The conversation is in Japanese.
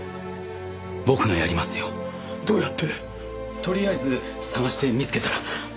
とりあえず捜して見つけたら。